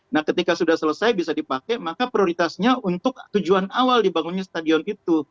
nah ketika sudah selesai bisa dipakai maka prioritasnya untuk tujuan awal dibangunnya stadion itu